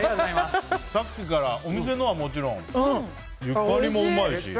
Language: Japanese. さっきからお店のはもちろんゆかりもうまいし。